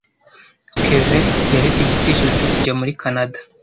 Kevin yaretse igitekerezo cyo kujya muri Kanada.